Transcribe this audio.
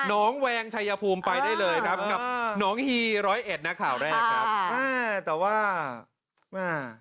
น้องแวงชายภูมิไปได้เลยครับกับน้องเหรอ้อยเอชต์ในข่าวแรกครับ